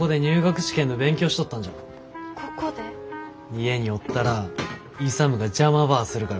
家におったら勇が邪魔ばあするから。